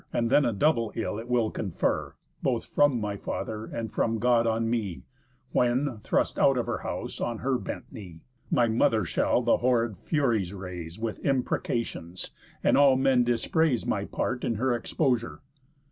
And then a double ill it will confer, Both from my father and from God on me, When, thrust out of her house, on her bent knee, My mother shall the horrid Furies raise With imprecations, and all men dispraise My part in her exposure.